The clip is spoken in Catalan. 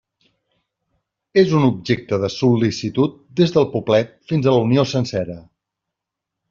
És un objecte de sol·licitud des del poblet fins a la Unió sencera.